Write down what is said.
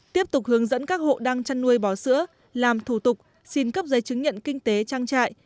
tiếp tục hướng dẫn các hộ đang chăn nuôi bò sữa làm thủ tục xin cấp giấy chứng nhận kinh tế trang trại